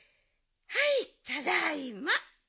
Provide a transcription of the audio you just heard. はいただいま。